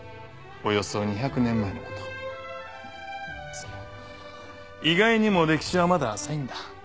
そう意外にも歴史はまだ浅いんだ。